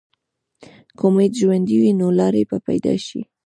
که امید ژوندی وي، نو لارې به پیدا شي.